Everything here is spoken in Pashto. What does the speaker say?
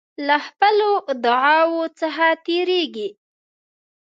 له خپلو ادعاوو څخه تیریږي.